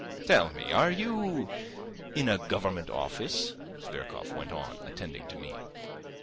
"Tell me, are you ... in a government office?" Zverkov went on attending to me.